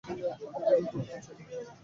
নিজেকে খুব তুচ্ছ মনে হয়।